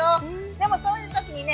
でもそういう時にね